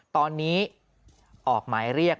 ตอนนี้ออกหมายเรียก